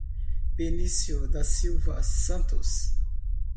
Benicio da Silva Santos